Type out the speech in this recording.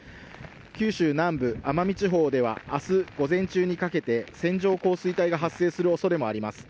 九州南部、奄美地方ではあす午前中にかけて線状降水帯が発生するおそれもあります。